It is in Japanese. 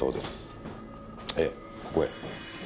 ええここへ。